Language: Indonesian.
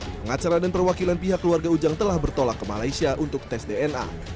pengacara dan perwakilan pihak keluarga ujang telah bertolak ke malaysia untuk tes dna